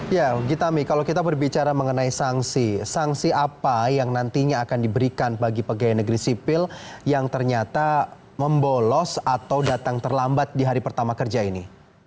ya gita mi kalau kita berbicara mengenai sanksi sanksi apa yang nantinya akan diberikan bagi pegawai negeri sipil yang ternyata membolos atau datang terlambat di hari pertama kerja ini